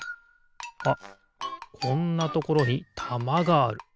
あっこんなところにたまがある。